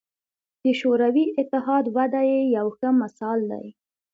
د شوروي اتحاد وده یې یو ښه مثال دی.